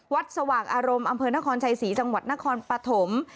สว่างอารมณ์อำเภอนครชัยศรีจังหวัดนครปฐม